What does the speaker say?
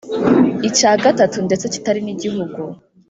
icya gatatu ndetse kitari n’igihugu!